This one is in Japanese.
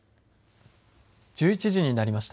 １１時になりました。